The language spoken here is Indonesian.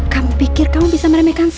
kamu pikir kamu bisa meremehkan